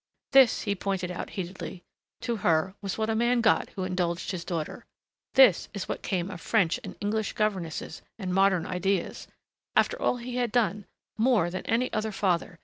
This, he pointed out heatedly, to her, was what a man got who indulged his daughter. This is what came of French and English governesses and modern ideas.... After all he had done more than any other father!